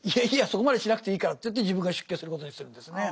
そこまでしなくていいからっていって自分が出家することにするんですね。